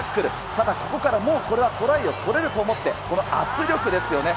ただ、ここからもうこれはトライを取れると思って、この圧力ですよね。